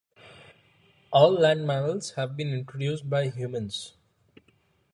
All land mammals have been introduced by humans.